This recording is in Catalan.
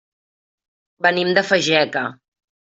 Venim de Fageca.